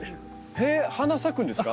えっ花咲くんですか？